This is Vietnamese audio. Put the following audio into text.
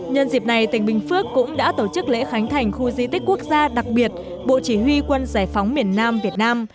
nhân dịp này tỉnh bình phước cũng đã tổ chức lễ khánh thành khu di tích quốc gia đặc biệt bộ chỉ huy quân giải phóng miền nam việt nam